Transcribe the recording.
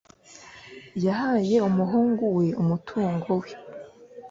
Yahaye umuhungu we umutungo we.